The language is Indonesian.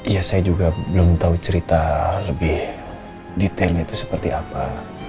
iya saya juga belum tau cerita lebih detailnya itu seperti apa